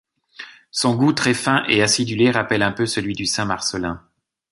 Son goût très fin et acidulé rappelle un peu celui du Saint-marcellin.